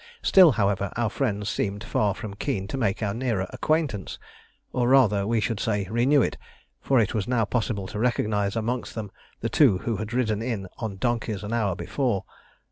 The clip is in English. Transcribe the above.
Still, however, our friends seemed far from keen to make our nearer acquaintance or rather we should say, renew it, for it was now possible to recognise amongst them the two who had ridden in on donkeys an hour before.